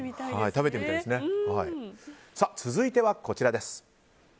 続いては、こちらです。